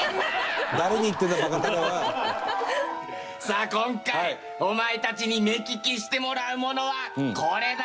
さあ今回お前たちに目利きしてもらうものはこれだ！